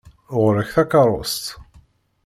Ɣur-k takeṛṛust!